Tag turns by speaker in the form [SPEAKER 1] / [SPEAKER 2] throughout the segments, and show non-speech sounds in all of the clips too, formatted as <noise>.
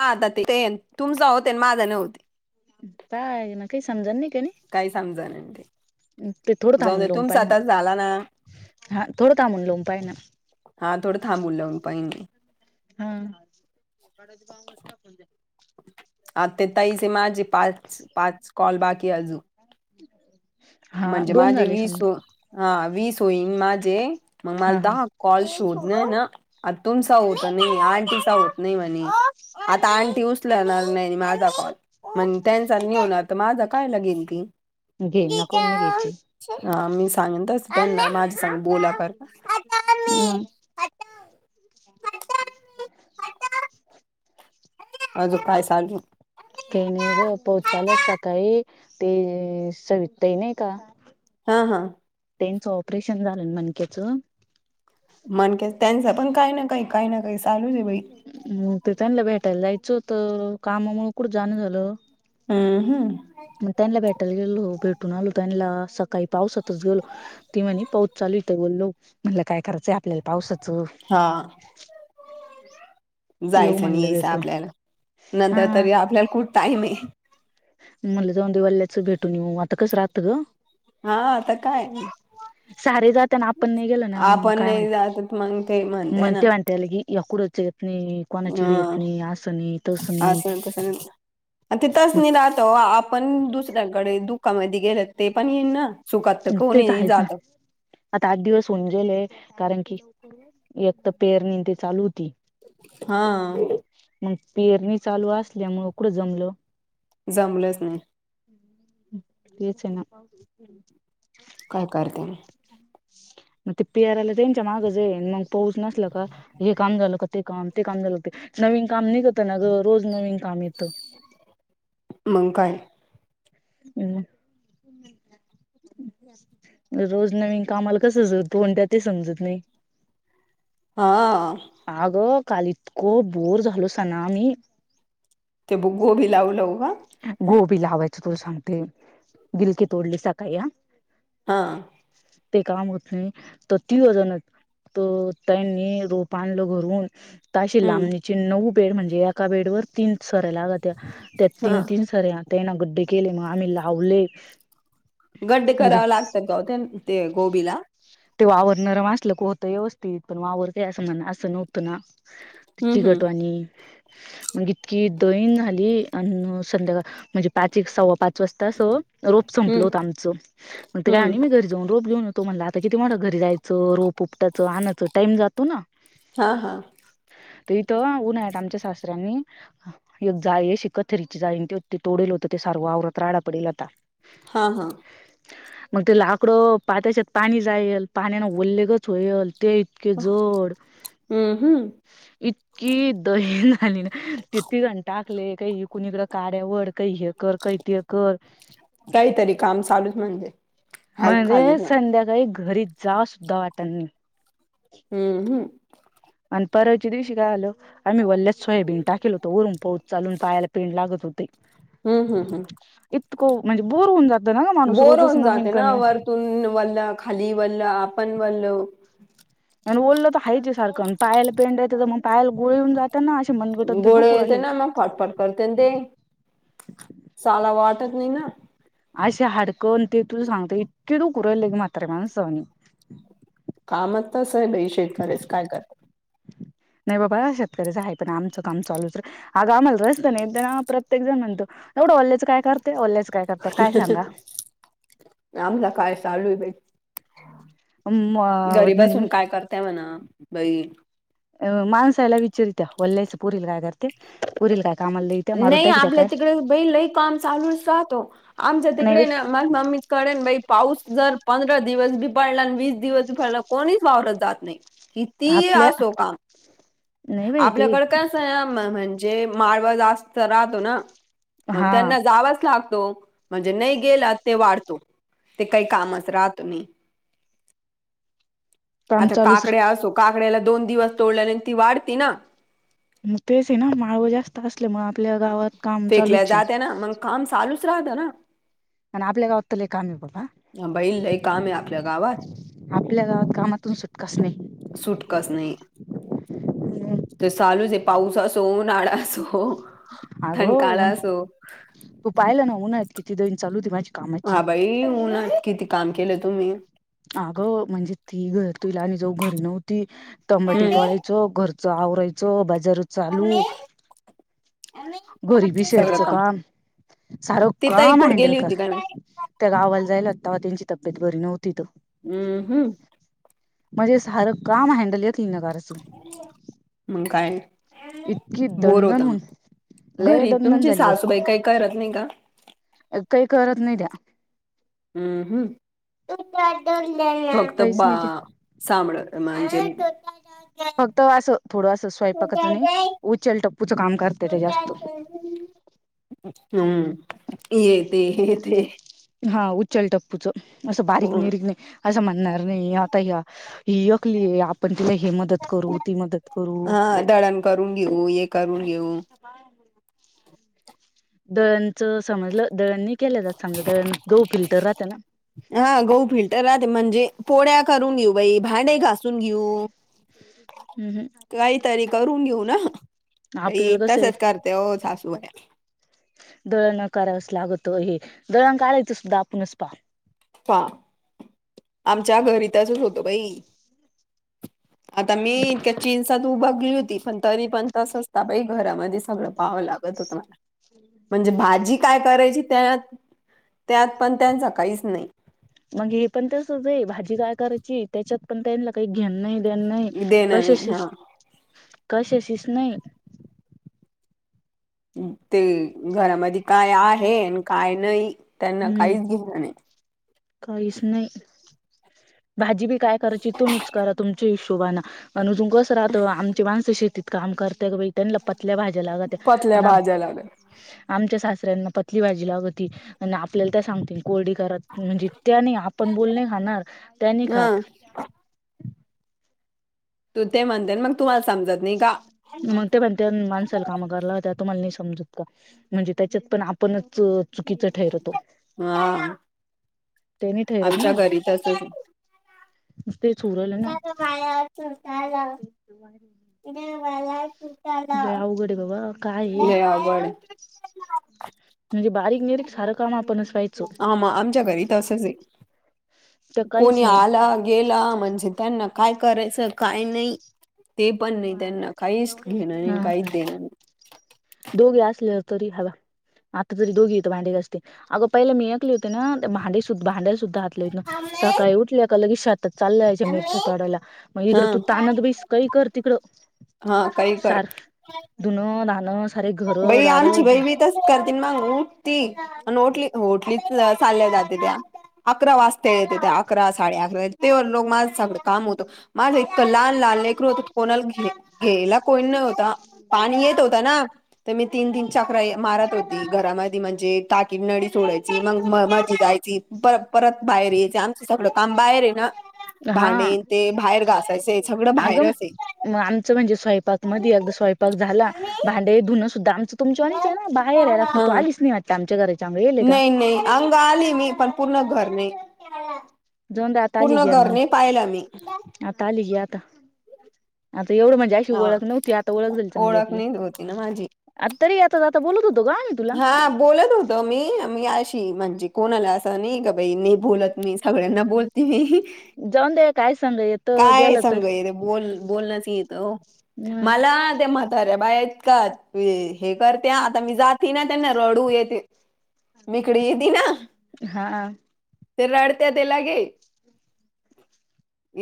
[SPEAKER 1] हा आता तेन तुमच होते माझ न्हवते.
[SPEAKER 2] काय म काही समजण नाही का नाही.
[SPEAKER 1] काही समजाण ते
[SPEAKER 2] ते थोडं
[SPEAKER 1] जाऊन
[SPEAKER 2] थांबून
[SPEAKER 1] जा
[SPEAKER 2] लावून
[SPEAKER 1] तुमच
[SPEAKER 2] पाय मग
[SPEAKER 1] तर झाला ना.
[SPEAKER 2] हा थोडं थांबून लों पा आहे ना.
[SPEAKER 1] हां थोड थांब बोलून पायन.
[SPEAKER 2] हा.
[SPEAKER 1] हा ते ताई चे माझे पाच पाच कॉल बाकी अजून.
[SPEAKER 2] हा
[SPEAKER 1] म्हणजे
[SPEAKER 2] दोन
[SPEAKER 1] माझे
[SPEAKER 2] झाले
[SPEAKER 1] वीस
[SPEAKER 2] असंन.
[SPEAKER 1] हो हा वीस होईन माझे मग
[SPEAKER 2] हा
[SPEAKER 1] मला
[SPEAKER 2] हा
[SPEAKER 1] दहा कॉल शोधण ना. आ तुमचा होत नाही आंटीचा होत नाही म्हणे. आता आणंटी उचलणार नाही माझा कॉल. म्हण त्यांचा नेऊन आता माझा कायलागेल ती.
[SPEAKER 2] घेईन ना कोण घ्यायची.
[SPEAKER 1] हा मी सांगेन तस पण माझी सांग बोला का.
[SPEAKER 2] मग. <inaudible> हो <inaudible>
[SPEAKER 1] अजून काय सगू.
[SPEAKER 2] केणे र पोहचाल सकाळी ते सवितताही नाही का.
[SPEAKER 1] हा हा.
[SPEAKER 2] त्यांचं ऑपरेशन झालं मनक्याचं.
[SPEAKER 1] म्हणके त्यांच पण काय ना काही काय ना काही चालूच आहे बाई
[SPEAKER 2] म ते त्यांलं भेटायला जायचं होत कामामु कुठं जाण झालं
[SPEAKER 1] हम् हम्
[SPEAKER 2] म त्यांना भेटायला गेलो भेटून आलो त्यांला सकाळी पावसातच गेलो ती म्हणे पाऊस चालू इत बोललो म्हणला काय करायचंय आपल्याला पावसाच त
[SPEAKER 1] हा जायचं नाही यायचं आपल्याला नंतर
[SPEAKER 2] हा
[SPEAKER 1] तरी आपल्याला खूठ टाईम आहे
[SPEAKER 2] मल जाऊ वल्याच भेटू न आता कस राात ग
[SPEAKER 1] हा आता काय ना
[SPEAKER 2] सार जातना आपण नाही गेलो ना मग काय
[SPEAKER 1] नाही
[SPEAKER 2] म्हणते
[SPEAKER 1] जातत मग ते म्हणते
[SPEAKER 2] मग
[SPEAKER 1] ना
[SPEAKER 2] ते म्हण तेलग अकडोच घतन कोणा चीड
[SPEAKER 1] अ
[SPEAKER 2] येेतन आसनी तोसनी
[SPEAKER 1] तेथच नाही राहतो आपण दुसऱ्याकडे दुःखामध्ये गेले ते पण येईन ना सुखात तर
[SPEAKER 2] तेच
[SPEAKER 1] कोणी
[SPEAKER 2] आहेच
[SPEAKER 1] जात
[SPEAKER 2] आता आठ दिवस होऊन गेले कारण कि एकतर पेरनी ते चालू होती
[SPEAKER 1] हा
[SPEAKER 2] मग पेरणी चालू असल्यामुळ कुठं जमलं
[SPEAKER 1] जमलंच नाही
[SPEAKER 2] तेच आहे ना
[SPEAKER 1] काय करते
[SPEAKER 2] मग तेपेरायला त्यांच्या माग जा येईन मग पाऊस नसला का हे काम झालं हो का ते काम ते काम झालं होते नवीन काम नाही करत ना ग रोज नवीन काम येतं
[SPEAKER 1] म काय
[SPEAKER 2] हम रोज नवीन कामाला कस जोडतो कोणत्या ते समजत नाही
[SPEAKER 1] हा
[SPEAKER 2] अग काल इतकं बोर झालं सना मी
[SPEAKER 1] ते बुगो बी लावू लाव का
[SPEAKER 2] गोबी लावायचं तू सांगते गिलकी तोडली सकाळी या
[SPEAKER 1] हां
[SPEAKER 2] ते काम होत नाही तर ती अजणत त त्यांनी रोप आणलं घरून तशी
[SPEAKER 1] हम्म
[SPEAKER 2] लांबणीची नऊ बेड म्हणजे एका बेड वर तीन सरायलागात
[SPEAKER 1] हा
[SPEAKER 2] तीन तीन सऱे त्यां ना गड्डे केले मग आम्ही लावले
[SPEAKER 1] गड्डे
[SPEAKER 2] उज
[SPEAKER 1] कराव लागतात ग ते ते गोबीला
[SPEAKER 2] ते वावरणं रमचलं होतं व्यवस्थित पण वावरतेय असं म्हण असं नव्हतं ना ची
[SPEAKER 1] हम्म हम्म
[SPEAKER 2] गटवाणी मग इतकी दहीन झाली अ संध्याकाळ म्हणजे पाच एक सव्वा पाच स्वस्तः अस रोप संपल
[SPEAKER 1] हम्म
[SPEAKER 2] होतं आमचं मग ते काय
[SPEAKER 1] हम्म
[SPEAKER 2] म्ह मी घरजेऊन रोप घेऊन होतो म्हणला तर किती म्हट घरी जायचं रोप उपटाचं आणायचं टाइम जातो ना
[SPEAKER 1] हा हा
[SPEAKER 2] त इथं उन्हात आमच्या सासऱ्यांनी एक जाय श कथरीची जाईन ते ते तोडेल होत ते सर्व आवरात राडा पडेल आता
[SPEAKER 1] हा हा
[SPEAKER 2] मग ते लाकडं पात्याच्यात पाणी जाईल पाण्यान उल्लेगच होईल ते इतके जोड
[SPEAKER 1] हम्म हम्म
[SPEAKER 2] इ कि दही झाली ना तिती घंटाकले काही कुणीकडें कार्यावर काही हे कर काही ते कर
[SPEAKER 1] काहीतरी काम चालूच म्हणजे हाल
[SPEAKER 2] म्हणजे
[SPEAKER 1] खालीच ना
[SPEAKER 2] संध्याकाळी घरी जा सुद्धा वाटानी
[SPEAKER 1] हम्म हम्म
[SPEAKER 2] आणि परवाच्या दिवशी काय झालं. आम्ही वल्लच सोयाबीन टाकेल होतो वरून पाऊस चालून पायाला पेंड लागत होते.
[SPEAKER 1] हम्म हम् हम्.
[SPEAKER 2] इतक म्हणजे बोर होऊन जातो.
[SPEAKER 1] बोर होन जाते ना वरतून वल्लं खाली वल्लं आपण वल्ल
[SPEAKER 2] आणि ओललं तर हायेच ये सारखं पायला पेंडायं तर मग पायला गोळे येऊन जात ना अशे मनगटत तेन
[SPEAKER 1] गोळे
[SPEAKER 2] दुखू
[SPEAKER 1] येते
[SPEAKER 2] राहिले
[SPEAKER 1] ना मग फटफट करते ते चलाव वाटत नाही ना
[SPEAKER 2] असे हाडकन ते तुझ सांगते इतके दुखु राहिले के म्ह ताऱ्या माणसा वाणी
[SPEAKER 1] कामच तस आहे बाई शेेतकऱ्याच काय करता.
[SPEAKER 2] नाही बाबा शेतकऱ्याच आहे पण आमचं काम चालूच हा अगं आम्हाला जायचं होतं ना एक दाना प्रत्येक जण म्हनतो येवढं ओलेच काय करते ओलेच काय करते काय सांगा
[SPEAKER 1] आमला काय चालूय बाई घरी
[SPEAKER 2] म्हणजे
[SPEAKER 1] बसून काय करताय म्हणा बई
[SPEAKER 2] अ मानसाला विचारीत वल्याच पोरीला कायरते पो रील काय कामाला लईत्या मारून
[SPEAKER 1] नाही
[SPEAKER 2] टाकीत्या
[SPEAKER 1] आपल्या
[SPEAKER 2] काय
[SPEAKER 1] तिकडे बई लई काम चालूच राहतो आमच्या
[SPEAKER 2] नाही बाई
[SPEAKER 1] तिकडे ना माझ मम्मी कडे बाइ पाऊस जर पंधरा दिवस बी पडला आणि वीस दिवस बी पडला कोणीच वावरत जात नाही किती
[SPEAKER 2] आपल्या.
[SPEAKER 1] असो काम
[SPEAKER 2] नाही बाई ते
[SPEAKER 1] आपल्याकडे काय अस म्हणजे माळव जास्त राहतो ना मग
[SPEAKER 2] हा
[SPEAKER 1] त्यांना जावच लागतो. म्हणजे नाही गेला ते वाढतो ते काही कामच राहतो नाही.
[SPEAKER 2] <inaudible>
[SPEAKER 1] आता
[SPEAKER 2] चालूच
[SPEAKER 1] काकड्या असो काकड्याला दोन दिवस तोडल्या नाही ती वाढती ना
[SPEAKER 2] मग तेच येना माळव जास्त असले मग आपल्या गावात काम
[SPEAKER 1] फेकल्या
[SPEAKER 2] चालूचे
[SPEAKER 1] जाते ना मग काम चालूच राहतं ना
[SPEAKER 2] आणि आपल्या गावात त लइ काम ये बाबा
[SPEAKER 1] बाई लई काम आहे आपल्या गावात
[SPEAKER 2] आपल्या गावात कामातून सुटकाच नाही.
[SPEAKER 1] सुटकाच नाही. त चालूच आहे पाऊस असो उनाळा असो.
[SPEAKER 2] अगं
[SPEAKER 1] थंडकाळा
[SPEAKER 2] ऊन
[SPEAKER 1] असो
[SPEAKER 2] तू पाहिला ना उन्हाळ्यात किती दन चालू होती माझी
[SPEAKER 1] हा
[SPEAKER 2] कामाची
[SPEAKER 1] बाई उनात किती काम केलं तुम्ही
[SPEAKER 2] अगं म्हणजे ती घर तुईला आणि जो घरी नव्हती तंबाटे
[SPEAKER 1] हम्म
[SPEAKER 2] तोडायचं घर च आवरायच बाजार चालू घरीबी शेडचं काम सार
[SPEAKER 1] ती ताई
[SPEAKER 2] काम
[SPEAKER 1] कुठं
[SPEAKER 2] हंडल
[SPEAKER 1] गेली
[SPEAKER 2] कर
[SPEAKER 1] होती काय माहित
[SPEAKER 2] त्या गावाला जायेल होत्या तवा त्यांची तब्येत बरी नव्हती त
[SPEAKER 1] हम्म हम्म.
[SPEAKER 2] म्हणजे सारं काम हँडल येकली न करायचं
[SPEAKER 1] मग काय
[SPEAKER 2] इतकी
[SPEAKER 1] बोर होतं
[SPEAKER 2] दनदनहुन
[SPEAKER 1] घरी तुमची सासूबाई काही करत नाही का
[SPEAKER 2] काही करत नाही त्या
[SPEAKER 1] हम्म हम्म
[SPEAKER 2] काहीच
[SPEAKER 1] फक्तबा
[SPEAKER 2] नाही
[SPEAKER 1] साांबळ महेंजे
[SPEAKER 2] फक्त असं थोडंं स्वयंपाकच नाही उचल टप्पूचं काम करत्या त्या जास्त
[SPEAKER 1] हम्म ये ते हे ते
[SPEAKER 2] हा उच्चल टप्पूचं असं बारीक निरीकने असं म्हणणार नाही आता हया हि येकली आपण तिला हिमत मदत करू ती मदत करू
[SPEAKER 1] हा दळण करून घेऊ हे करून घेऊ
[SPEAKER 2] दळणच समजलं दळणनी केलं जात समजा दळण गहू फिलटर राहतं ना
[SPEAKER 1] हा गहू फिल्टर राहते म्हणजे पोळ्या करून घेऊ बाई भांडे घासून घेऊ
[SPEAKER 2] हम् हम्...
[SPEAKER 1] काहीतरी करून घेऊ ना त
[SPEAKER 2] आपल्याला कसं आहे
[SPEAKER 1] तसच करते हो सासूबाई
[SPEAKER 2] दळणं करावच लागत हे दळण करायच सुद्धा आपणच पा...
[SPEAKER 1] हा आमच्या घरीतचच होत बाई.... आता मीन का चीन.... तू बघली होती पण तरी पण तस असता बाई घरामध्ये सगळं पावं लागत होत मला... म्हणजे भाजी काय करायची त्यात त्यात पण त्याच काहीच नाही....
[SPEAKER 2] मग हे पण तेचच आहे भाजी काय करायची त्याच्यात पण त्यां काही घेन नाही... नाही
[SPEAKER 1] देणं नाही
[SPEAKER 2] कशी
[SPEAKER 1] हा
[SPEAKER 2] कशाशीच नाही...
[SPEAKER 1] ते घरामध्ये काय आहे आणि काय नाही त्यांना
[SPEAKER 2] हम्म
[SPEAKER 1] काहीच घेतलं नाही...
[SPEAKER 2] काहीच नाही.... भाजी बी काय करायची तो मिक्च करा तुमच्या हिशोबाने अनुजून कस राहतं आमचे माणसं शेती..... काम करते बेट ना ल पतल्या भाज्या लागत....
[SPEAKER 1] पतल्या भाज्या लागल
[SPEAKER 2] आमच्या सासऱ्यांना पत्री भाजी लागत होती.... आपल्याला त्या सांगते कोरडी करत म्हणजे त्यानी आपण बोलणे खाणार त्याने
[SPEAKER 1] हा
[SPEAKER 2] खात...
[SPEAKER 1] तू ते म्हणतेन मग तुम्हाला समजत.... नाही का
[SPEAKER 2] मग ते पण त्या माणसाल काम करायत्या तुम्हाला नाही समजत का? म्हणजे त्याच्यात पण आपणच चुकीचं ठरतो..
[SPEAKER 1] हा
[SPEAKER 2] ते नाही ठरत
[SPEAKER 1] आमच्या घरीतच...
[SPEAKER 2] न ते सरज....
[SPEAKER 1] माया चुरताय बाया......
[SPEAKER 2] अवघड बाबा काय?
[SPEAKER 1] अवघड आहे.
[SPEAKER 2] म्हणजे बारीक सारीक सारं काम आपण असवायचं....
[SPEAKER 1] आम आमच्या घरी तर असंच आहे....
[SPEAKER 2] तर
[SPEAKER 1] कोणी
[SPEAKER 2] काहीच नाही
[SPEAKER 1] आला गेला म्हणजे त्यांना काय करायचं काय नाही.... ते पण नाही त्यांना काहीच घेणार नाही.
[SPEAKER 2] हा
[SPEAKER 1] काहीच देणार नाही.
[SPEAKER 2] दोघे असले तरी हवा आता तरी दोघी येत भांडे असते अगं पहिले मी ऐले होते ना भांडे भांड्याल सुद्धा... सकाळी उठल्या कामात..... चाललायच्या मिरच्या तडाला मग
[SPEAKER 1] हा
[SPEAKER 2] इकडे तू त ब काही कर.... तिकड
[SPEAKER 1] हा काही कर
[SPEAKER 2] सार धुन नान...
[SPEAKER 1] बई आमची बाई बी... च करते मग उठ त आणि टली होटलीच चालल्या जाते त्या.... अकरा वाजता येत त्या अकरा साडे अकरा ते लोक माझ सगळं काम होतं.... माझं इतकं लहान लहान लेकर होत कोणाला गेले.. घ्यायला कोण न होता पाणी येत होता ना.... तर मी तीन तीन चक्र मारत होती घरामध्ये म्हणजे टाकी नळी सोडायची मग म मध्ये जायची.... परत परत बाहेर यायचे आमचं सगळं काम बाहेर आहे ना...
[SPEAKER 2] हा
[SPEAKER 1] भाणे ते बाहेर घासायचंय सगळं बाहेरच आहे.....
[SPEAKER 2] ग आमचं म्हणजे स्वयंपाक मध्ये अ स्वयंपाक झाला भांडे धुनं सुद्धा आमच... तुमच्या आणिच आहे ना बाहेर आहे लागतं
[SPEAKER 1] हा
[SPEAKER 2] तू आलीच नाही वाटत आमच्या घराच्याांगडेेले का?
[SPEAKER 1] नाही नाही अंग आली मी पण पूर्ण घर नाही....
[SPEAKER 2] दोनदा आत आली
[SPEAKER 1] पूर्ण
[SPEAKER 2] घे
[SPEAKER 1] घर
[SPEAKER 2] म
[SPEAKER 1] नाही पाहिलं मी
[SPEAKER 2] आता आली घे आता आता एवढं मज... ज्याशी
[SPEAKER 1] हा
[SPEAKER 2] ओळख नव्हती आता ओळख झाली चांगली
[SPEAKER 1] ओळख
[SPEAKER 2] आपली
[SPEAKER 1] नाही होती ना माझी
[SPEAKER 2] आता तरी आता आता बोलत होतो का? तुला
[SPEAKER 1] हा बोलत होत मी मी अशी म्हणजे कोणा आला? नाही ग बाई नाही बोलत मी सगळ्यांना बोलते मी....
[SPEAKER 2] जाऊन दे काय सांग येत
[SPEAKER 1] काय
[SPEAKER 2] गेलं तर
[SPEAKER 1] सगे बोल बोलण्यास येतं
[SPEAKER 2] मग
[SPEAKER 1] मला ते... अरे बा ऐतका हे करते आता मी जात... ना त्यांना रडू ये ते मोकळी ती ना....
[SPEAKER 2] हा....
[SPEAKER 1] ते रडत्या त्याला घे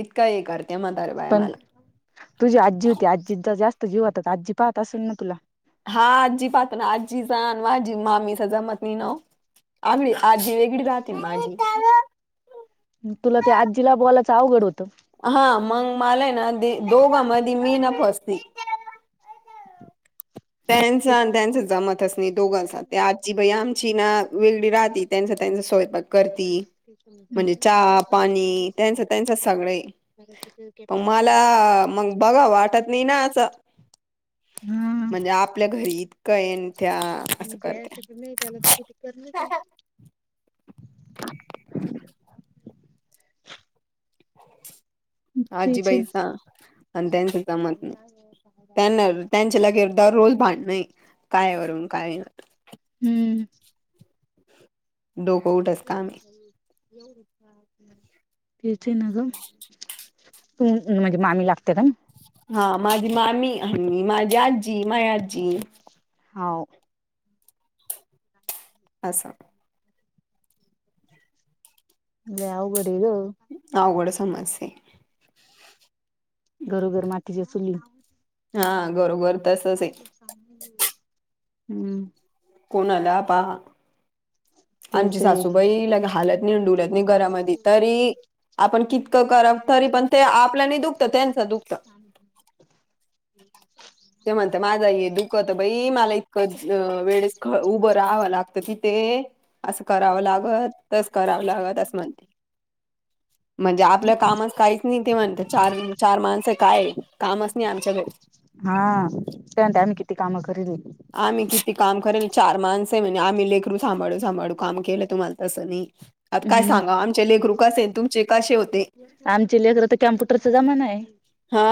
[SPEAKER 1] इतका हे करते मदारे बाय
[SPEAKER 2] पण
[SPEAKER 1] मला
[SPEAKER 2] तुझी आजी होती आजी जास्त जीवातात आजी पाहत असेल ना तुला
[SPEAKER 1] हा आजी पाहतो ना आजीचा आजी मामीचा जमत नाही न आ आजी व गिड दातन माज
[SPEAKER 2] तुला ते आजीला बॉलायचं अवघड होतं
[SPEAKER 1] हा मग मलाय ना दोघां म मी ना फसते नस
[SPEAKER 2] ते
[SPEAKER 1] त्यांनस म दोघं ते आजीई आमची ना वेली राह त्यांचा त्यांचा स्वयक करती म्हणजे चहा पाणी त्यांच त्यांच सगळे प मला मग बघा वाटत नाही ना असं
[SPEAKER 2] हा
[SPEAKER 1] म्हणजे आपल्या घरी इतकं येन त्या असं
[SPEAKER 2] जय
[SPEAKER 1] करत्या
[SPEAKER 2] चक्र मे त्याला तुखी दित नाही क तेच आहे
[SPEAKER 1] आजीबाईचा आणि त्यांच जमत नाही त्यांना त्यांच्याला गिरदवर रोल भांडणे कायवरून काय
[SPEAKER 2] हम्म
[SPEAKER 1] डोकऊठच का आम्ही
[SPEAKER 2] येवढ इचछ तेच ना ग तू म्हणजे मामी लागते का
[SPEAKER 1] हा माझी मामी माझी आजी माया आजी
[SPEAKER 2] होव
[SPEAKER 1] अससाम
[SPEAKER 2] अ याव गडू
[SPEAKER 1] नाव गोड समस्ये
[SPEAKER 2] घरोघर मातीच्या चुली
[SPEAKER 1] हा घरोबर तसच आहे
[SPEAKER 2] हम्म
[SPEAKER 1] कोणा आला पहा आमची
[SPEAKER 2] तेच आहे
[SPEAKER 1] सासूबाई लग हालत नाहीडुलत नाही घरामध्ये तरी आपण कितकं करा तरी पण ते आपल्याने दुख
[SPEAKER 2] ह ह
[SPEAKER 1] ते म्हणत माझा ये दुःखत बाई मला इतकं वेळेस ख उभं राहावं लागतं तिथे असं करावं लागत तरच करावं लागत असं म्हणते म्हणजे आपल्या कामात काहीच नाही ते म्हणते चार चार माणसं काय कामच नाही आमच्या घडे
[SPEAKER 2] हा त्यांत आम्ही किती कामं करली
[SPEAKER 1] आम्ही किती काम करेल चार माणस आहे म्हणजे आम्ही लेकरू सांभाळू सांभाळू काम केलं तुम्हाला तसं नाही आता काय
[SPEAKER 2] मग
[SPEAKER 1] सांगा आमचे लेखरू कसे तुमचे कसे होते
[SPEAKER 2] आमची लेकर तर कॅम्प्युटरचा जमाना आहे
[SPEAKER 1] हा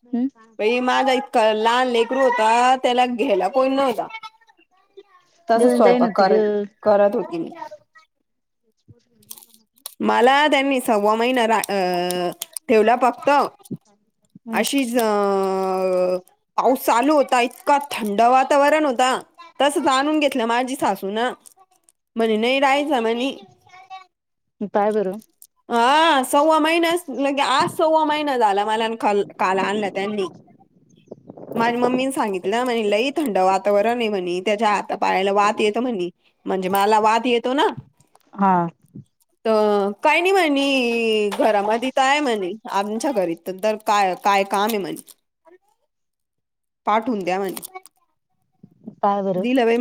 [SPEAKER 2] हम्
[SPEAKER 1] प माझा इतका लहान लेकरू होता त्याला घ्यायला कोण नव्हता तस
[SPEAKER 2] देऊन जाईन
[SPEAKER 1] स्वयंपाक
[SPEAKER 2] होती ग
[SPEAKER 1] कर करत होतील
[SPEAKER 2] तजपूर
[SPEAKER 1] मला त्यांनी सव्वा महिना रा ठेवला फक्त
[SPEAKER 2] हम्म
[SPEAKER 1] अशीच अ पाऊस चालू होता इतका थंड वातावरण होता तस जाणून घेतलं, माझी सासू ना, म्हणे नाही, राहायच म्हणे,
[SPEAKER 2] पाय बर,
[SPEAKER 1] हा सव्वा महिन, लगे आज सव्वा महिना झाला मला, कल कला आणलं, त्यांनी.
[SPEAKER 2] <unintelligible>
[SPEAKER 1] माझ्या मम्मीने सांगितलं म्हणे, लई थंड वातावरण आहे म्हणे, त्याच्या हात पाळायला वात येत म्हणे, म्हणजे मला, वाद येतो ना,
[SPEAKER 2] हा,
[SPEAKER 1] तर काय नाही म्हणे, घरामध्ये तर आहे म्हणे आमच्या घरीत तर तर, काय, काय काम आहे म्हने, पाठवून द्या म्हणे,
[SPEAKER 2] काय बर,
[SPEAKER 1] दिलं बाई